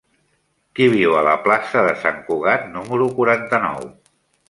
Qui viu a la plaça de Sant Cugat número quaranta-nou?